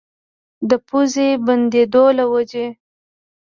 د پوزې بندېدو له وجې